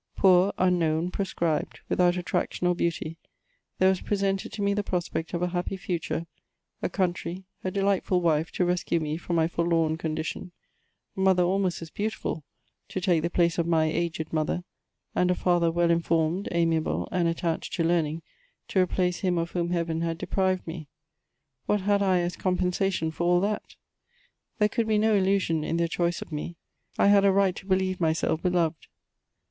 Poor, unknown, proscribed, without attraction or beauty, there was presented to me the prospect of a happy future, a country, a delightful wife to rescue me from my forlorn condidon, a mother almost as beautiful, to take the place of my aged mother, and a father, well informed, amiable, and attached to learning, to replace him of whom Heaven had deprived me ; what had I as compensation for all that ? There could be no illusion in their choice of me ; I had a right to believe myself beloved.